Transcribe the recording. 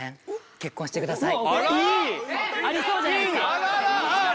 結婚してください。